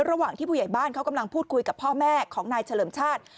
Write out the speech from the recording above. ระหว่างที่ผู้ใหญ่บ้านเขากำลังพูดคุยกับพ่อแม่ของนายเฉลิมชาติ